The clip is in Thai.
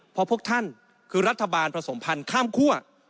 เพราะพวกท่านคือรัฐบาลผสมพันธ์ข้ามคั่ว